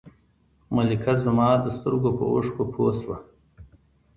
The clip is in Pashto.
ملکه زما د سترګو په اوښکو پوه شوه.